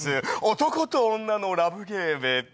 『男と女のラブゲーム』。